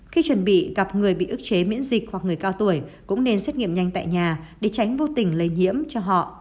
khi chuẩn bị gặp người bị ức chế miễn dịch hoặc người cao tuổi cũng nên xét nghiệm nhanh tại nhà để tránh vô tình lây nhiễm cho họ